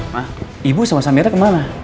ma ibu sama samira kemana